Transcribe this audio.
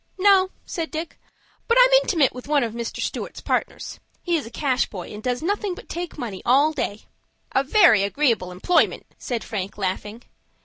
"No," said Dick; "but I'm intimate with one of Stewart's partners. He is a cash boy, and does nothing but take money all day." "A very agreeable employment," said Frank, laughing.